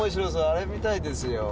あれ見たいですよ。